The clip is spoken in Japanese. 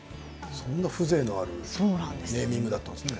そんな風情のあるネーミングだったんですね。